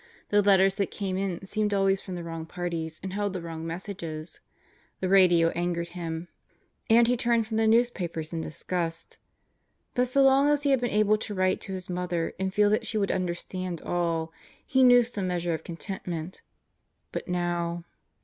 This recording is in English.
The letters that came in seemed always from the wrong parties and held the wrong messages. The radio angered him, and he turned from the news papers in disgust. But so long as he had been able to write to his mother and feel that she would understand all, he knew some measure of contentment. But now